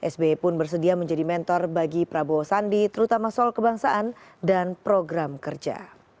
sby pun bersedia menjadi mentor bagi prabowo sandi terutama soal kebangsaan dan program kerja